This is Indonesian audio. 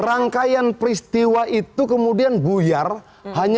rangkaian peristiwa itu kemudian dibangun